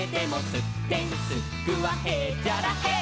「すってんすっくはへっちゃらへい！」